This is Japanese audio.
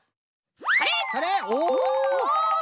それ！